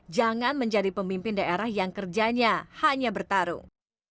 jangan menjadi pemimpin daerah yang kerjanya hanya bertarung